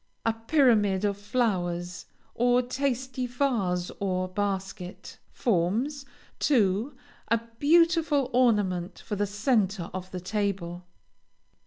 A pyramid of flowers, or tasty vase or basket, forms, too, a beautiful ornament for the centre of the table.